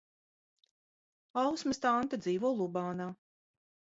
Ausmas tante dzīvo Lubānā.